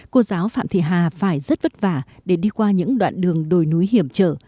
cô giáo phạm thị hà phải rất vất vả để đi qua những đoạn đường đồi núi hiểm trở